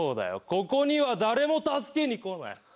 ここには誰も助けに来ない。